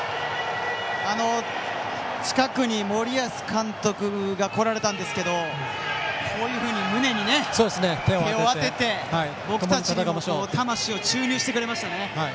近くに森保監督が来られたんですけど胸に手を当てて僕たちにも魂を注入してくれました。